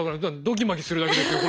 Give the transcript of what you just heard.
ドギマギするだけですよ